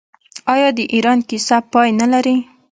آیا د ایران کیسه پای نلري؟